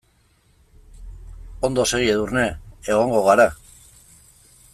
Ondo segi Edurne, egongo gara.